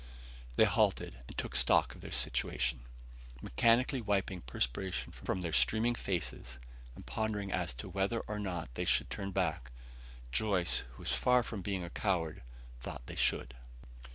They halted and took stock of their situation, mechanically wiping perspiration from their streaming faces, and pondering as to whether or not they should turn back. Joyce, who was far from being a coward, thought they should.